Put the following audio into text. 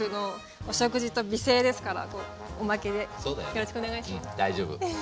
よろしくお願いします。